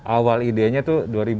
awal ideannya itu dua ribu tujuh belas